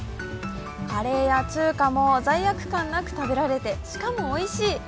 カレーや中華も罪悪感なく食べられて、しかもおいしい！